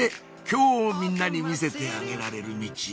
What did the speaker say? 今日みんなに見せてあげられるミチ